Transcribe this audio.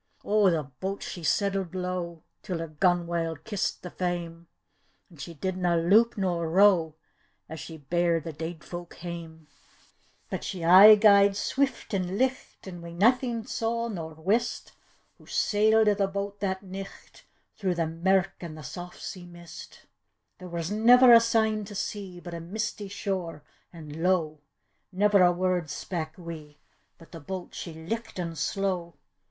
O the boat ^e settled low, Till her gunwale kissed the faem, An* she didna loup nor row As she bare the deid folk hame; D,gt,, erihyGOOgle Deid Folk's Ferry 177 But she aye gaed swift an' licht, An' we naething saw nor wist, Wlia sailed i' th' boat that nicht Through the mirk an' the saft sea misL There was never a sign to see, But a misty shore an' low; Never a word spak' we, But the boat she lichtened slow.